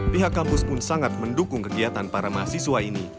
pihak kampus pun sangat mendukung kegiatan para mahasiswa ini